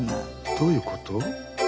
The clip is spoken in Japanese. どういうこと？